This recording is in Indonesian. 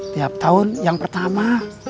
tiap tahun yang pertama